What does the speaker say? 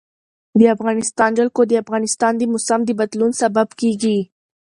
د افغانستان جلکو د افغانستان د موسم د بدلون سبب کېږي.